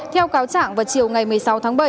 theo cáo trạng vào chiều ngày một mươi sáu tháng bảy